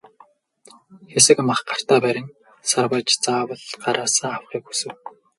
Хэсэг мах гартаа барин сарвайж заавал гараасаа авахыг хүсэв.